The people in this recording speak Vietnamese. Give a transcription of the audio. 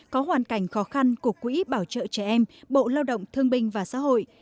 có hoàn cảnh khó khăn của quỹ bảo trợ trẻ em bộ lao động thương binh và xã hội